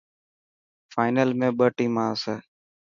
فانل ۾ ٻه ٽيما آسي.